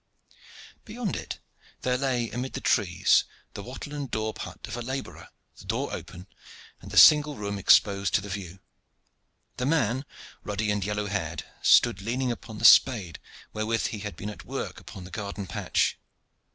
Beyond it there lay amid the trees the wattle and daub hut of a laborer, the door open, and the single room exposed to the view. The man ruddy and yellow haired, stood leaning upon the spade wherewith he had been at work upon the garden patch.